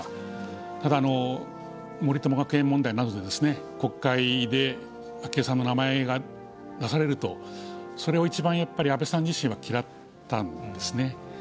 ただ、森友学園問題などで国会で昭恵さんの名前が出されると、それを一番やっぱり、安倍さん自身は嫌ったんですね。